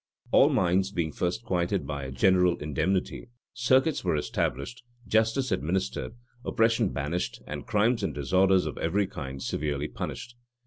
All minds being first quieted by a general indemnity,[] circuits were established, justice administered, oppression banished, and crimes and disorders of every kind severely punished.